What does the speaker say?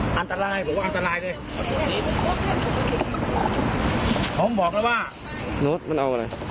อันตรายผมว่าอันตรายเลยผมบอกแล้วว่ารถมันเอาอะไร